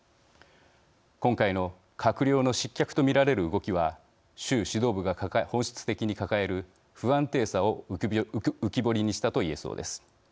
今回の閣僚の失脚と見られる動きは習指導部が本質的に抱える不安定さを浮き彫りにしたと言えそうです。